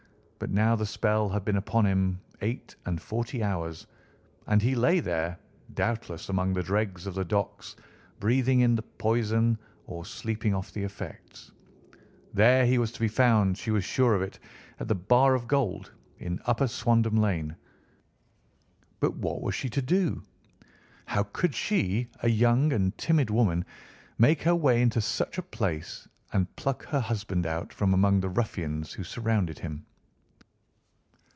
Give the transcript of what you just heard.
But now the spell had been upon him eight and forty hours, and he lay there, doubtless among the dregs of the docks, breathing in the poison or sleeping off the effects. There he was to be found, she was sure of it, at the Bar of Gold, in Upper Swandam Lane. But what was she to do? How could she, a young and timid woman, make her way into such a place and pluck her husband out from among the ruffians who surrounded him?